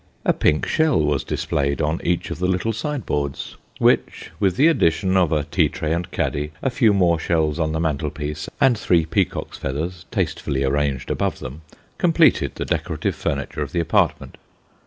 A pink shell was displayed on each of the little sideboards, which, with the addition of a tea tray and caddy, a few more shells on the mantelpiece, and three peacock's feathers tastefully arranged above them, completed the decorative furniture of the apartment.